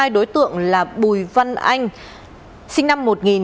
hai đối tượng là bùi văn anh sinh năm một nghìn chín trăm tám mươi